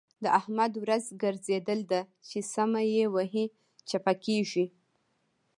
د احمد ورځ ګرځېدل ده؛ چې سمه يې وهي - چپه کېږي.